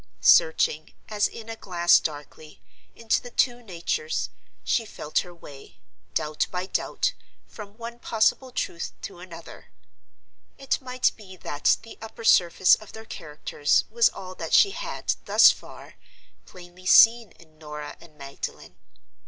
Searching, as in a glass darkly, into the two natures, she felt her way, doubt by doubt, from one possible truth to another. It might be that the upper surface of their characters was all that she had, thus far, plainly seen in Norah and Magdalen.